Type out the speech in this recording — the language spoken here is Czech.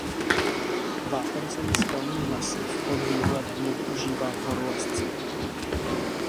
Vápencový skalní masiv pod výhledem je využíván horolezci.